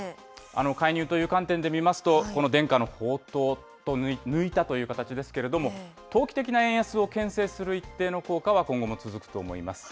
介入という観点で見ますと、この伝家の宝刀を抜いたという形ですけれども、投機的な円安をけん制する一定の効果は今後も続くと思います。